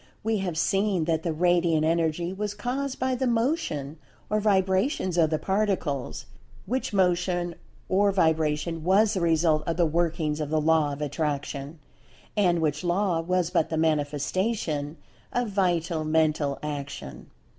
We have seen that the Radiant Energy was caused by the Motion or Vibrations of the Particles, which Motion or Vibration was the result of the workings of the Law of Attraction, and which Law was but the manifestation of Vital Mental Action.